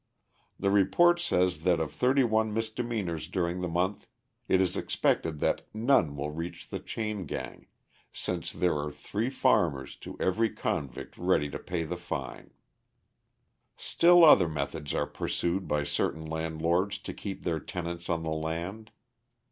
The report says that of thirty one misdemeanours during the month it is expected that "none will reach the chain gang," since there are "three farmers to every convict ready to pay the fine." [Illustration: A TYPE OF THE COUNTRY CHAIN GANG NEGRO] Still other methods are pursued by certain landlords to keep their tenants on the land.